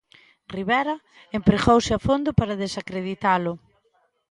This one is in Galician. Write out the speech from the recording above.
Rivera empregouse a fondo para desacreditalo.